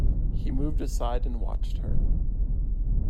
He moved aside and watched her.